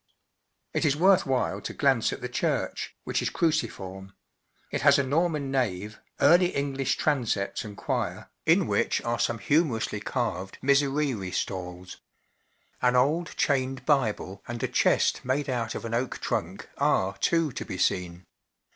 It is worth while to glance at the church, which is cruciform ; it has a Norman nave, Early English transepts and choir, in which are some humorously carved Miserere stalls. An old chained Bible and a chest made out of an oak trunk are* too, to be seen.